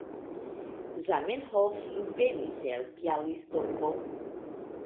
Zamenhof venis el Bjalistoko.